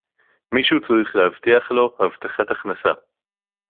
מישהו צריך להבטיח לו הבטחת הכנסה